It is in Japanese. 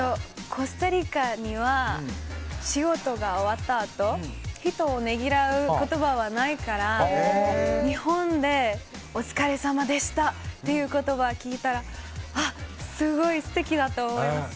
コスタリカには仕事が終わったあと人を労う言葉がないから日本でお疲れさまでしたっていう言葉を聞いたらあ、すごい素敵だと思います。